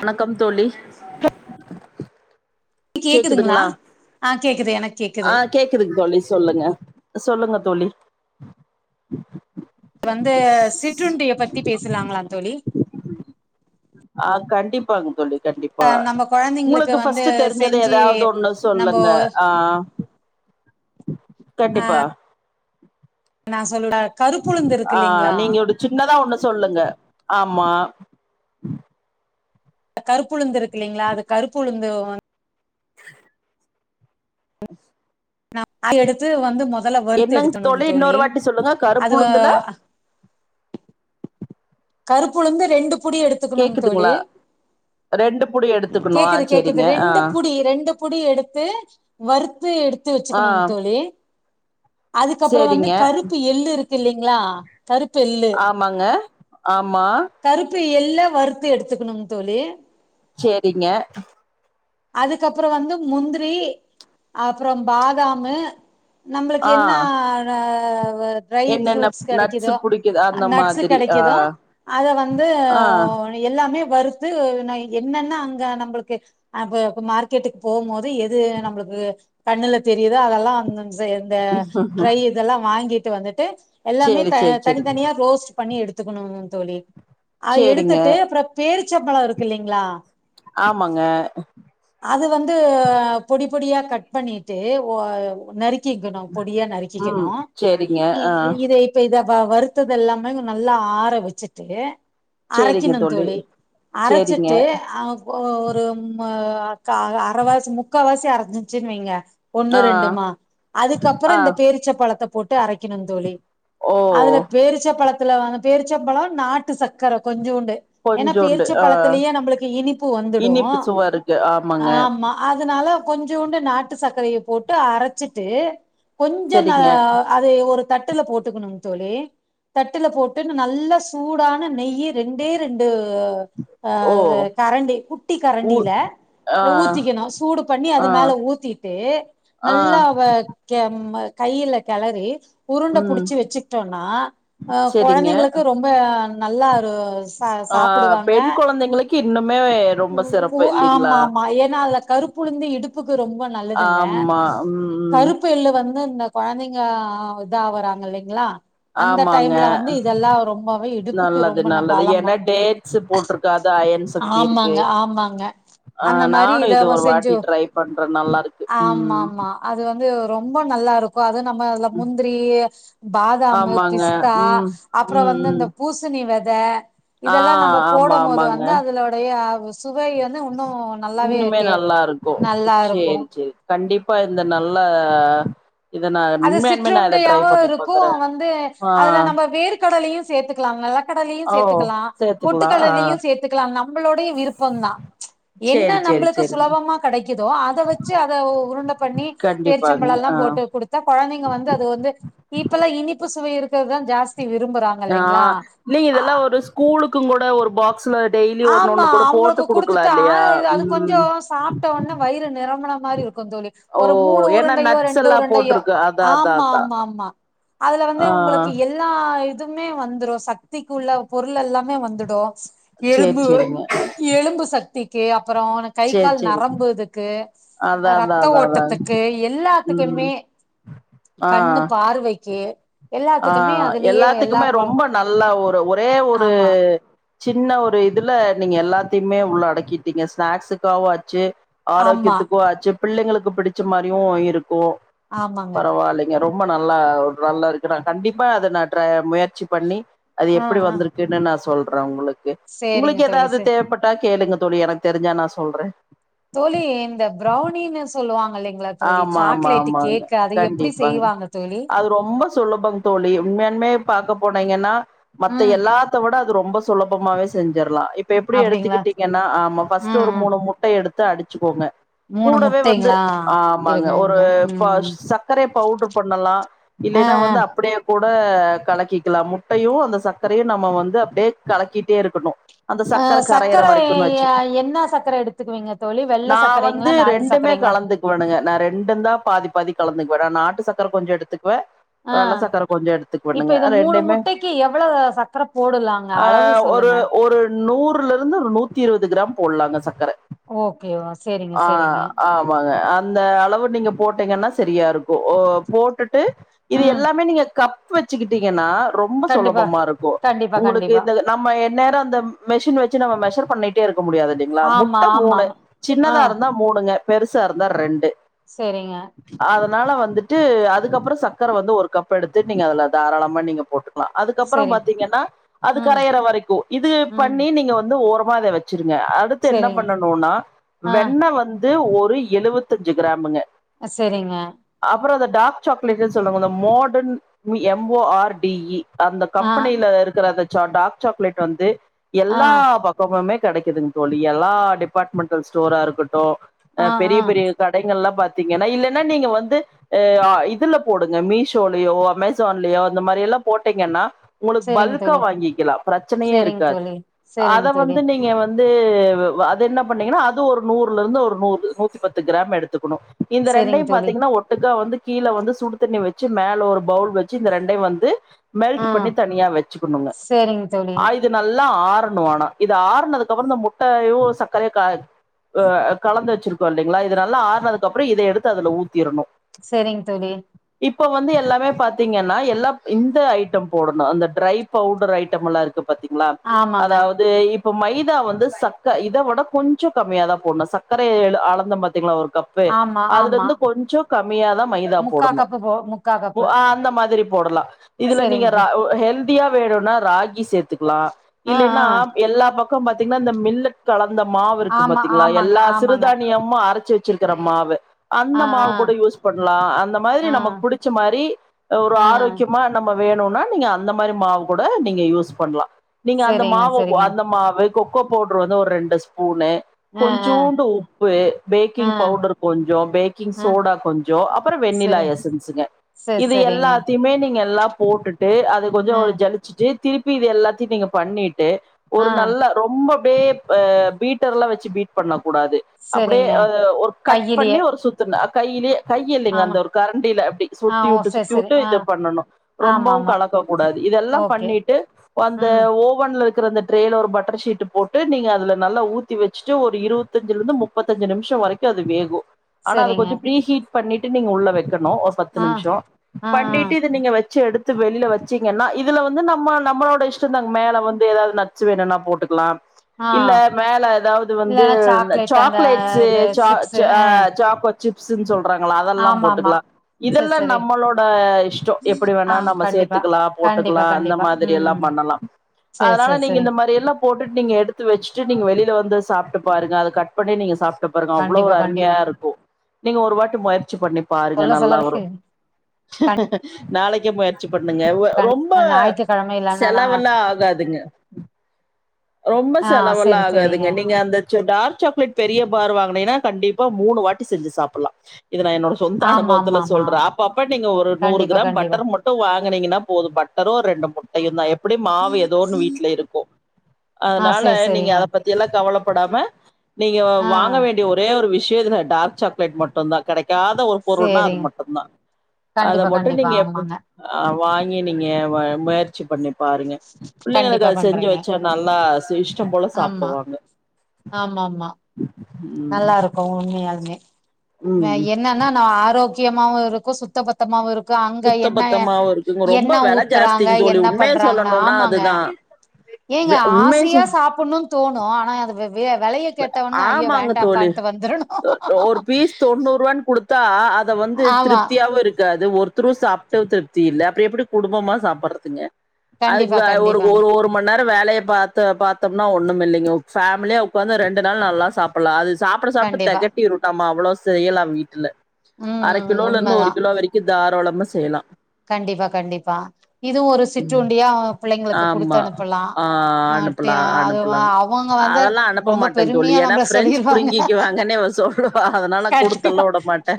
வணக்கம் தோழி கேக்குதுங்களா ஆ கேக்குது எனக்கு கேக்குது கேட்குது தோழி சொல்லுங்க சொல்லுங்க தோழி வந்து சிற்றுண்டிய பத்தி பேசலாங்களா தோழி ஆ கண்டிப்பாங்க சொல்லி கண்டிப்பா அஹ் நம்ம கொழந்தைங்களுக்கு உங்களுக்கு வந்து பஸ்ட் தெரிஞ்சது செஞ்சு ஏதாவது ஒன்னு நம்போ சொல்லுங்க ஆ கண்டிப்பா என்னாசொல்ல ஆ நீங்க ஒரு சின்னதா ஒண்ணு சொல்லுங்க ஆமா கருப்புழுந்து இருக்கு இல்லங்களா அது கருப்புளுந்து வ [inaudible] அ [inaudible] அத எடுத்து வந்து முதல்ல வறுத்து என்னங்க எடுத்தணும் தோழி இன்னொரு வாட்டி சொல்லுங்க அது கருப்புளுந்துல கருப்புழுந்து ரெண்டு புடி எடுத்துக்கணுங் தோழி கேக்குதுங்களா ரெண்டு புடி எடுத்து கேக்குது கேக்குது ரெண்டு புடி ரெண்டு புடி எடுத்து வறுத்து எடுத்து ஆ வச்சுக்கணு தோழி [inaudible] அதுக்கப்புறோ வந்து சேரிங்க கருப்பு எள்ளு இருக்கு இல்லைங்களா கருப்பு எள்ளு ஆமாங்க ஆமா கருப்பு எல்ல வருறுத்து எடுத்துக்கணும்னுங் தோழி சேரிங்க அதுக்கப்புறோ வந்து முந்திரி அப்புறோ பாதாமு நம்பளுக்கு ஆ என்ன ன வ ட்ரை என்னென்ன ஃப்ரூட்ஸ் நட்ஸ் கெடைக்குதோ புடிக்குது அந்த நட்ஸ் மாதிரி ஆ கெடைக்குதோ அத வந்து ஆ எல்லாமே வருத்து நா என்னன்னா அங்க நம்பளுக்கு அப்ப மார்க்கெட்டுக்கு போம் போது எது நம்மளுக்கு கண்ணுல தெரியுதோ அதெல்லாம் ம் சே இந்த ட்ரை இதெல்லா வாங்கிட்டு வந்துட்டு எல்லாமே சேரி சேரி சேரி தனித்தனியா ரோஸ்ட் பண்ணி எடுத்துக்கணுங் தோழி அது சேரிங்க எடுத்துட்டு அப்புற பேரிச்சைபழம் இருக்கு இல்லலைங்களா ஆமாங்க அது வந்து பொடி பொடியா கட் பண்ணிட்டு ஒ நறுக் கிகணு பொடியா ம் நறுக்கிகணு சேரிங்க ஆ இத இப் ப இத வருத்தது எல்லாமே நல்லா ஆற வெச்சுட்டு சேரிங்க தோழி அரைக்கணுந்தோழி சேரிங்க அரசிட்டு அ ஒரு மு க அரவாசி முக்காவாசி அரைச்சுசுனு வைங்க ஒண்ணு ஆ ரெண்டுமா அதுக்கப்றோ ஆ இந்த பேரிச்ச பழத்த போட்டு அரைக்கணுந்தோழி ஓ அதுல பேரிச்சைப்பழத்துல வந் பேரிச்சப்பழம் நாட்டு சக்கரை கொஞ்சோண்டு ஏனா கொஞ்சோண்டு ஆ பேரிச்சபழத்திலயே நம்ளுக்கு இனிப்பு வந்துடு இனிப்பு சுவ இருக்கு ஆமா ஆமா அதனால கொஞ்சோண்டு நாட்டு சக்கரைய போட்டு அரச்சிட்டு கொஞ்ச நா சரிங்க அது ஒரு தட்டுல போட்டுக்கணு தோழி தட்டுல போட்டு நல்லா சூடான நெய்யே ரெண்டே ரெண்டு ஆ ஓ கரண்டி குட்டி ஊ கரண்டி ல ஆ ஊத்திக்கணு சூடு பண்ணி ஆ அது மேல ஊத்திட்டு ஆ நல்லா வ கே ம கை ல கெளறி உருண்ட ம் புடிச்சு வெச்சுக்டோனா அ சரிங்க கொழந்தைங்களுக்கு ரொம்ப நல்லா ஒரு ச ஆ சாப்புடுவாங்க பெண் குொழந்தைங்களுக்கு இன்னுமே ரொம்ப சிறப் உ ஆமா ஆமா ஏனா அதுல கருப் புளுந்து இடுப்புக்கு ரொம்ப நல்லதுங்க ஆமா ம் ம் கருப்பு எள்ளு வந்து இந்த கோழந்தைங்க இதாவுராங்க இல்லலைங்ளா அந்த ஆமாங்க டைம்ல வந்து இதெல்லா ரொம்பவே இடுப்புக்கு ரொம்ப நல் பலமா ஊசிப் போட்டிருக்கு அதா அயன் சக்தி இருக்கு ஆமாங்க ஆமாங்க ஆ அந்த மாரி நானு இத இது ஒரு செஞ்சு வாட்டி ட்ரை பண்றே நல்லாருக்கு உம் ஆமா ம் ஆமா அது வந்து ரொம்ப நல்லாருக் கு அது நம்ம முந்திரி பாதமு ஆமாங்க பிஸ்தா ம் அப்பற ம் வந்து ம் இந்த பூசணி வெத ஆ இதெல்லா நம்ம ஆமா போடும் போது ஆமாங்க வந்து அதலடைய சுவை வந்து இன்னு நல்லாவே இன்னுமே டே நல்லாருக்கு நல்லா இருக்கு சேரி சேரி கண்டிப்பா இந்த நல்ல இத நா அது உண்மையான்மே நா இத ட்ரை சிற்றுண்டையாவு பண்ணி இருக்கு பாக்குறே வந்து ஆ அதுல நம்ம வேர்க கடலையு சேத்துக்கலா நல்லா நெலகடலையு ஓ சேத்துக்கலா சேத்துக்கலா ஆ பொட்டுக்கடலயு சேத்துக்கலா நம்மளுடைய விருப்பந்தா என்ன சேரி சேரி நம்மளுக்கு சேரிங்க சுலபமா கெடைக்குதோ அத வச்சு அத உருண்ட பண்ணி கண்டிப்பாங்க பேர்ச்சம்பழல்லா ஆ போட்டு குடுத்தா கொழந்தைங்க வந்து அது வந்து இப்பல்லா இனிப்பு சுவை இருக்கறதுதா ஜாஸ்தி விரும்பறாங்க ஆ இல்ல இதெல்லா ஒரு ஸ்கூல்லுக்கு கூட ஒரு பாக்ஸ் ஆமா அவங்ளுக்கு குடுத்துட்டா இல்லையா இது அது கொஞ்சோ ம் சாப்ட்ட உடனே வயிறு நிரம்புண மாரி இருக்கு கொஞ்சோண்டு ஓ ஒரு மூணு ஏன்னா உருண்டையோ நட்ஸ் ரெண்டு எல்லா உருண்டையோ போட்டிருக்கு அதா அதா ஆம்மா அதா ஆம்மா ஆம்மா அதுல வந்து ஆ உங்ளுக்கு எது எல்லா இதுமே வந்துடு சக்திக்கு உள்ள பொருள் எல்லாமே வந்துடு சேரி எலும்பு சேரிங்க எலும்பு சக்திக்கு அப்றோ கை சேரி கால் சேரி நரம்பு இதுக்கு அதா அதா இரத்த அதா அதா ஓட்டத்துக்கு ம் எல்லாத்துக்குமே ஆ கண்ணு பார்வைக்கு ஆ எல்லாத்துக்குமே அதுலயே எல்லா எல்லாத்துக்குமே பொரு ரொம்ப நல்லா ஒரு ஒரே ஒரு ஆமா சின்ன ஒரு இதுல நீங்க எல்லாத்தையுமே உள்ள அடக்கிட்டீங்க ஸ்நாக்ஸுக்காவு ஆச்சு ஆமா ஆரோக்யத்துக்கு ஆச்சு பிள்ளைங்களுக்கு பிடிச்ச மாரியு இருக்கு ஆமாங்க பரவாலை ங்க ரொம்ப நல்லா நல்லாருக்கு நா கண்டிப்பா அத நா ட்ர முயற்சி பண்ணி அது ஆ எப்டி ஆ வந்துருக் குனு நா சொல்ற உங்களுக்கு சேரிங்க உங்களுக்கு தோழி சே ஏதாவது தேவைப்பட்டா கேளுங்க தோழி எனக் தெரிஞ்சா நா சொல்றே தோழி இந்த பிரௌனீனு சொல்லுவாங்க இல்லைங் ங்ளா தோழி ஆமா, ஆமா, சாக்லேட்டு ஆமாங்க. கேக் அது எப்டி கண்டிப்பாங்க. செய்வாங்க தோழி அது ரொம்ப சுலபம் தோழி உண்மையான்மே பாக்க போனைங்கனா மத்த ம் எல்லா த்தவிட அது ரொம்ப சுலபமவே செஞ்சிற்லா இப்ப எப்டி அப்டிங்களா எடுத்துக்கிட்டீங்கனா ஆமா ம் ஃபஸ்டு ஒரு ம் மூணு முட் டை எடுத்து அடிச்சிக்கோங்க மூணு முட்டைங்ளா ஆமாங்க ஒரு பாஸ் சக்கரைய பவுட்ரு பண்ணலா ஆ இல்லைனா ஆ வந்து அப்டியே கூட கலக்கிக்கலா முட்டையு அந்த சக்கரையு நம்ம வந்து அப்டியே கலக்கிட்டே இருக்கணு அந்த சக்கர கரையிற வரைக்குன் வச்சுக் என்ன சக்கர எடுத்துக்குவீங்க தோழி வெள்ள நா வந்து சக்கரைங்களா நாட்டு ரெண்டுமே சக்கரைங்களா கலந்து குவனுங்க நா ரெண்டுந்தா பாதி பாதி கலந்துக்வே நா நாட்டு சக்கர கொஞ்சொ எடுத்துக்வே ஆ வெள்ள சக்கர கொஞ்சோ இப்ப எடுத்துக்வனுங்க இது மூணு ரெண்டையுமே முட்டைக்கு எவ்வளவு சக்கர போடலாங்க ஆ அளவு ஒரு சொல்லுங்க ஒரு நூறுலருந்து ஒரு நூத்தி இருவது கிராம் போட்லாங்க சக்கர ஓகே சேரிங்க ஆ சேரிங்க ஆம் வாங்க அந்த அளவு நீங்க போட்டைங்கன்னா சரியா இருக்கு ஓ போட்டுட்டு இது ம் எல்லாமே நீங்க கப் வச்சுக்கிட்டீங்கனா ரொம்ப கண்டிப்பா சொலபமா இருக்கு கண்டிப்பா உங்களுக்கு கண்டிப்பா இந்த நம்ம என்நேரோ அந்த மெஷின் வச்சி நம்ம மெஷர் பண்ணிட்டே இருக்க முடியாது இல்லிங்ளா ஆமா முட்ட ஆமா மூணு ஆமா ஆ சின்னதா இருந்தா மூணுங்க பெருசா இருந்தா ரெண்டு செரிங்க அதனால வந்துட்டு அதுக்கப்பறோ சக்கர வந்து ஒரு கப் எடுத்துட் நீங்க அதுல தாராளமா நீங்க போட்டு லா அதுக்கப்பறோ சேரி பாத்தீங்கன்னா அது ம் கரையிற வரைக்கு இது ம் பண்ணி நீங்க வந்து ஓரமா இத வச் சிருங்க அடுத்து என்ன செரிங்க பண்ணணூனா ஆ வெண்ண வந்து ஒரு எழுவத் தஞ்சி கிராமுங்க அ செரிங்க அப்புறோ அந்த டாக் சாக்லேட்டுன சொல்லுவோ அந்த மாடர்ன் மி M O R D E அந்த ஆ கம்பெனில இருக்குற அந்த சா டார்க் சாக்லேட் வந்து ஆ எல்லா பக் கமுமே கெடைக்குதுங் தோழி எல்லா டிபார்ட்மெண்டல் ஸ்டோரா இருக்கட்டு அ ஆ பெரிய ஆ பெரிய கடைங்கல்லா பாத்தீங்கனா இல்லைனா நீங்க வந்து அ ஆ இதுல போடுங்க மீஷோலயோ அமேசான்லயோ அந்த மாரி எல்லா போட்டைங்கன்னா உங்களுக் செரிங்க பல்கா தோழி வாங்கிக்கலா பிரச்சனையே செரிங்க இருக்காது தோழி செரிங்க அத தோழி வந்து நீங்க வந் வந்து வ அதென்ன பண்ணீங்கனா அது ஒரு நூறுலருந்து ஒரு நூறு நூத்தி பத்து கிராம் எடுத்துக்கணு இந்த செரிங்க ரெண்டையு தோழி பாத்தீங்கனா ஒட்டுக்கா வந்து கீழ வந்து சுடு தண்ணி வச்சி மேல ஒரு பவுல் வச்சி இந்த ரெண்டையு வந்து ஆ மெல்ட்டு பண்ணி தனியா வச்சிக்கணுங்க செரிங்க தோழி ஆயுத நல்லா ஆறனு ஆனா இது ஆறுனதுக்கப்பறொந்த முட்டாயு சக்கரயு காத் ஒ அ கலந்து வச்சிருக்கோ இல்லைங்களா இது நல்லா ஆறுனதுக்கப்றோ இத எடுத்து அதுல ஊத்தீறணு செரிங் தோழி இப்போ வந்து எல்லாமே பாத்தீங்கன்னா எல்லாம் இந்த ஐட்டம் போடணு அந்த ட்ரை பவுடர் ஐட்டம் எல்லா இருக்கு பாத்தீங்ளா ஆமாங்க அதாவத் இது இப்ப மைதா வந்து சக்க இத விட கொஞ்ச கம்மியாதா போடணு சக்கரைய எழு அளந்த மத் திங்ளா ஒரு கப்பு ஆமா ஆமா அதுலருந்து கொஞ்சோ கம்மியாதா மைதா முக்கா போடணு கப்பு போ முக்கா ஒ கப்பு ஆஹ் அந்த மாதிரி போடலா இதுல நீங்க செரிங்க ர ஒ ஹெல்தியா வேணூனா ராகி சேத்துக்லா ஆ இல்லைனா ஆ எல்லா பக் பாத்தீங்கன்னா இந்த மில்லட் கலந்த மாவு இருக்கு ஆமா பாத்தீங்களா ஆமாங்க எல்லா ஆமாங்க சிறுதானியமு அரச் ச்சு வச்சிருக்கற மாவு அந்த ஆ மாவு ஆ கூட யூஸ் பண்லா அந்த மாதிரி ஆ நமக்கு புடிச்ச மாரி ஒரு ஆ ஆரோக்கியமா நம்ம வேணுனா நீங்க அந்த மாரி மாவு கூட நீங்க யூஸ் பண்லா நீங்க அந்த செரிங்க மாவு செரிங்க அந்த மாவு கொக்கோ பவுடரு வந்து ஒரு ரெண்டு ஸ்பூனு ஆ ஆ கொஞ்சூண்டு உப்பு ஆ பேக்கிங் பவுடர் கொஞ்சோ பேக்கிங் ஆ சோடா கொஞ்ச அப்பற வெண்ணிலா எசன்ஸுங்க செர் சரிங்க திமே நீங்க எல்லா போட்டுட்டு அத கொஞ்ச ஆ ஒரு ஜலிச்சுட்டு திருப்பி இது எல்லாத்தையு நீங்க பண்ணிட்டு ஆ ஒரு நல்ல ரொம்பபே அ பீட்டர் எல்லா வச்சு பீட் பண்ணக் கூடாது அப்டியே செரிங்க ஒரு கட் பண்ணி கையிலயே ஒரு சுத்துன்ன கையிலே கை இல்லிங்க ஆமா அந்த ஒரு கரண்டியில அப்டி ஆ சுத்தி ஓ விட்டு செரி சுத்தி செரி விட்டு ஆ இத பண்ணணு ஆமா ரொம்பவு ஆமா கலக்க கூடாது இதெல்லா ஓகே பண்ணிட்டு அந்த ம் ஓவன்ல இரு ந்தர அந்த ட்ரேல ஒரு பட்டர்ஷீட் போட்டு நீங்க அதுல நல்லா ஊத்தி வச்சுட்டு ஒரு இருவத்தஞ்சலந்து முப் முப்பத்தஞ்சு நிமிஷ வரைக்கு அது வேகு ஆனா அது செரிங்க கொஞ்ச ஃப்ரீஹீட் பண்ணிட்டு நீங்க உள்ள வக்கணு பத்து ஆ நிமிஷோ ஆ பண்ணிட்டு இது நீங்க வச்சு எடுத் த்து வெளில வச்சீங்கன்னா இதுல வந்து நம்ம நம்மளோட இஷ்ட தாங்க மேல வந்து எதாது நட்ஸ்சு வேணுனா போட்டுக்கலா ஆ ஆ இல்ல மேல எதாவது வந்து இல்லன்னா இந்த சாக்லேட் அந்த சாக்லேட்ஸு இது சா சிப்ஸு சா ஆ சாக்கோ சிப்ஸுன்னு சொல்றாங்களா அதெல்லா ஆமா ஆமா போட்டுக்கலா செரி இதெல்லா செரி நம்மளோட இஷ்டோ எப்படி ஆ வேணா நம்ம கண்டிப்பா சேத்துக்கலா கண்டிப்பா போட்டுக்கலா அந்த கண்டிப்பா மாரி எல்லா ம் பண்ணலா செரி அதனால செரி நீங்க செரி இந்த மாரி எல்லா போட்டுட்டு நீங்க எடுத்து வச்சுட்டு நீங்க வெளியில வந்து சாப்ட்டு பாருங்க அத கட் பண்ணி நீங்க சாப் இத பாருங்க அவ்ளோ கண்டிப்பா ஒரு அருமையா கண்டிப்பா இருக்கும் நீங்க ஒரு வாட்டி முயற்சி பண்ணி பாருங்க சொல்ல சொல்ல நல்லா வரு கண்டி நாளைக்கே முயற் ச்சி பண்ணுங்க கண்டி ரொம்ப ஞாயிற்றுக்கிழமை இல்லன்னா செலவலா ஆகாதுங்க ரொம்ப ஆ செலவலா செரி செரிங்க ஆகாதுங்க நீங்க அந்த ச்ச டார்க் சாக்லேட் பெரிய பார் வாங்கினீன்னா கண்டிப்பா மூணு வாட்டி செஞ்சு சாப்பிட்லா இது நா என்னோட சொந்த ஆமா ஆமா அனுபவத்துல ஆமா சொல்றே அப்பப்ப நீங்க ஒரு நூறு கண்டிப்பா கிராம் கண்டிப்பா பட்டர் மட் ட்டு வாங்குனீங்கன்னா போது பட்டரு ரெண்டு முட்டயுந்தா எப்டியு மாவு எதோ ஒன்னு வீட்ல இருக்கு ஆ அதனால செரி நீங்க செரிங்க அத பத்தி எல்லா கவலப்படாம நீங்க ஆ வாங்க வேண்டி டிய ஒரே ஒரு விஷயோ இதுல டார்க் சாக்லேட் மட்டுதா கெடைக்காத ஒரு பொருள்னா அது செரிங்க மட்டுந்தா அத கண்டிப்பா மட்டு கண்டிப்பா நீங்க ஆமாங்க எப்ப அ வாங்கி நீங்க முயற்சி பண்ணி பாருங்க புள்ளைங்களுக் கண்டிப்பா அத செஞ்சு பண்றேங்க வச்ச நல்லா சுவிஷ்டம் போல ஆமா சாப்பிடுவாங்க ஆமா ஆமா நல்லா இருக்கு உண்மையாலுமே ம் ம் என்னன்னா ந ஆரோக்கியமாவு இருக்கு சு சுத்த பத்தமாவு இருக்கு அங்க சுத்த என்ன பத்தமாவு இருக்குங்க ரொம்ப எண்ணெ வெல ஊத்துறாங்க ஜாஸ்திங்க தோழி என்ன உண்மைய பண்றாங்கள சொல்லணுனா ஆமாங்க அதுதா [unintelligible] நீங்க உண்மைய சொ ஆசையா சாப்புட்ணு தோணு ஆனா அது வே வெளைய கேட்டவொன்ன ஐய ஆமாங்க தோழி வேண்டாப்பான்ட்டு வந்துரணு ஒரு பீஸ் தொண்ணூரூவானு குடுத்தா அத வந்து ஆமா திருப்தியாவு இருக் காது ஒருத்தரு சாப்ட்டு திருப்தி இல்ல அப்டி எப்டி குடும்பமா சாப்பறதுங்க அதுக் கண்டிப்பா வ ஒரு ஒரு கண்டிப்பாங்க ஒரும் ஒரு மண்நேர வேலய பாத்தோம்னா ஒண்ணு இல்லிங்கோ ஃபேமிலியா உக்காந்து ரெண்டு நாள் நல்லா சாப் அப்பல்லா அது சாப்பிட சாப்ட கண்டிப்பா தெகட்டி விட்டாமா அவ்வளோ செய்யலா வீட்ல ம் அர ம் கிலோல இருந்து ஒரு உண்மதா கிலோ வரைக்கு தாரோளமா செய்யலா கண்டிப்பா கண்டிப்பா இதும் ஒரு சிற்றுண்டியா புள்ளைங்களுக் குடுத் அனுப்பலா அ ஆ டி அனுப்பலா அது அனுப்பலா வ- அவங்க வந்து அதெல்லா அனுப்ப ரொம்ப மாட்டே தோழி பெருமையா ஏனா நம்மள ஃப்ரெண்டஸ் சொல்லிருவாங்க புடிங்கிக்குவாங்கன்னு இவ சொல் லுவா அதனால நா கண்டிப்பா குடுத்தெல்லா விடமாட்டே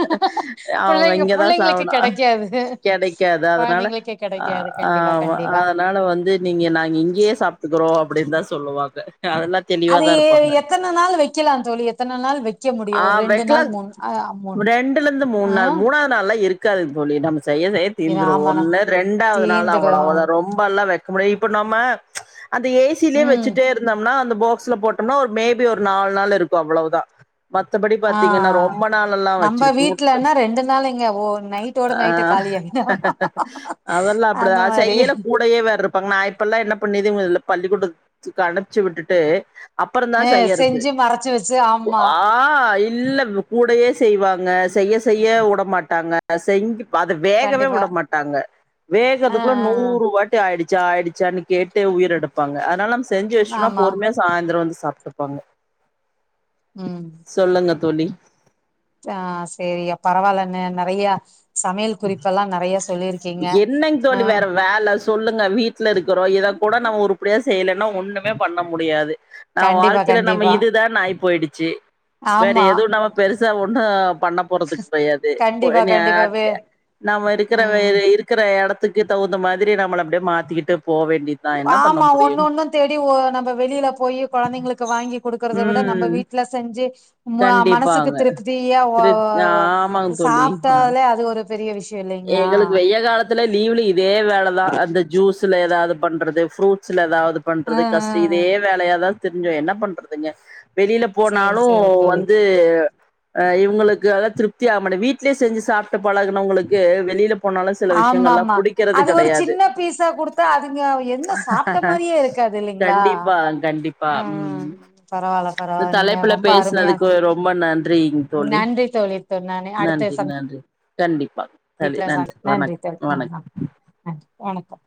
அவங்க புள்ளைங்க இங்கதா புள்ளைங்களுக்கு சாப்டுவா கெடைக்காது கெடைக்காது அதனால கொழந்தைங்களுக்கு ஆ கெடைக்காது கண்டிப்பா ஆமா கண்டிப்பா அதனால நா வந்து நீங்க நாங்க இங்கயே சாப்பிட்டுக்கிறோ அப்டின்னு தா சொல்லுவாங்க அதெல்லா அது தெளிவாதா இருப்பாங்க எத்தன நாள் வெக்கலா தோழி எத்தன நாள் வெ ஆ வெக்கலாங் ரெண்டுல இருந்து மூணு ஆ நாள் மூணா நல்லா இருக்காது தோழி நம்ம செய்ய செய்ய இது தீந்துரும் ஆமாண்ணா ஒன்னு இரண்டாவது நாள் தீந்துடு அவ்ளோவா ரொம் பல்லாம் வைக்க முடியும் இப்ப நம்ம அந்த ஏசிலயே ம் வச்சிட்டே இருந்தோம்னா அந்த போக்ஸ்ல போட்டோம்னா ஒரு மேபி ஒரு நாலு நாள் இருக்கும் அவ்ளோவு தான் மத்தபடி ஆ பாத்தீங்கன்னா ரொம்ப நாள் எல்லாம் நம்ம வச்சிருக் ஊட்டும் வீட்லன்னா ரெண்டு நாள் எங்க ஓ நைட்டோட ஆ நைட்ட காலியாயிடும் அதெல்லாம் அப்டி அந்த ஆ மாரி செய்ல கூடையே வேற நான் இப்பல்லாம் என்ன பண்ணியதேங்க இல்ல பள்ளிக்குடு துக்கு அனுப்பிச்சு விட்டுட்டு அப்பறம் தான் செய்யறது சேர் சேர் ஆமா ஆ இல்ல கூடையே செய்வாங்க செய்ய செய்ய உடமாட்டாங்க செஞ்சு அது வேகவே கண்டிப்பா விட மாட்டாங்க ஆ வேகறத்துக்குள்ள ஆ நூறு வாட்டி ஆயிடுச்சா ஆயிடுச்சான்னு கேட்டு உயிர எடுப்பாங்க அதனால நம் செஞ்ச வச்சுட்டனா ஆமா பொறுமையா சாந்தரம் வந்து சாப்ட்டுப்பாங்க ம் சொல்லுங்க தோழி ஆ செரி பரவால்லைங்க நறையா சமையல் குறிப்பெல்லாம் நறையா சொல்லியிருக்கீங்க ஆ வேலை சொல்லுங்க வீட்ல இருக்கிறோம் இத கூட நம்ம உருப்படியா செய்யலைன்னா ஒண்ணுமே பண்ண முடியாது நம்ம கண்டிப்பா வாழ்க்கையில நம்ம கண்டிப்பா இதுதான் ஆயி போயிடுச்சு வேற ஆமா எதுவும் நம் பெருசா ஒண்ணும் பண்ண போறது கிடையாது ஓ கண்டிப்பா கண்டிப்பா வே என்னையாச்சு நம்ம இருக்கிற ம் இருக்கிற இடத்துக்கு தகுந்த மாதிரி நம்மள அப்டியே மாத்திக்கிட்டு போ வேண்டி நா என்ன பண்ண ஆமா ஒண்ணு முடியும் ஒண்ணும் தேடி ஓ நம்ம வெளியில போய் குழந்தைங்களுக்கு வாங்கி குடுக்கறதை விட நம்ம ம் வீட்ல செஞ்சு மனசுக்கு கண்டிப்பாங்க திருப்தியா வ திரு வ ஆமாங்க தோழி சாப் ஆ குடுத்தாலே அது ஒரு பெரிய விஷயம்ல்லே எங்களுக்கு வெய்யில் காலத்துல லீவ்ல இதே வேலைதான் அந்த ஜூஸ்ல ஏதாவது பண்றது ஃப்ரூட்ஸ்ல ஏதாவது ஆ ஆ பண்றது கஷ்ட இதே வேலையாதான் திரிஞ்சோம் என்ன பண்றதுங்க வெளில சேரி போனாலும் சேரி தோழி வந்து அ இவங்களுக்கு அதா திருப்தி ஆகமாட்டேங்குது வீட்லயே செஞ்சு சாப்ட்டு பழகினவங்களுக்கு வெளில போனாலும் சில விஷயங்கல்லாம் ஆமாமா புடிக்கிறது அது ஒரு கிடையாது சின்ன பீஸா குடுத்தா அதுங்க என்ன சாப்ட்ட மாரியே இருக்காது இல்லைங்களா கண்டிப்பா கண்டிப்பா ம் பரவால்ல இந்த பரவால்ல நீங்க தலைப்புல ரொம்ப பேசினது அருமையா க்கு ரொம்ப நன்றிங்க தோழி நன்றி தோழி நானு அடுத்த நன்றி நன்றி கண்டிப்பா சரி சந்திப்புல சந் நன்றி வணக் தோழி வணக் ஆமா, நன்றி வணக்கம்